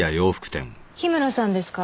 樋村さんですか？